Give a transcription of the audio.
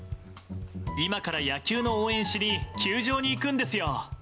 今から野球の応援しに球場に行くんですよ。